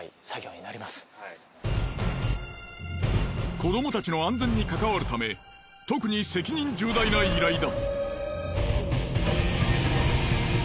子どもたちの安全にかかわるため特に責任重大な依頼だ。